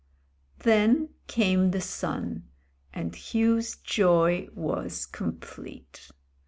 Then came the son, and Hugh's joy was complete.